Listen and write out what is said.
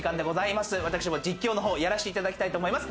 私も実況の方をやらしていただきたいと思います。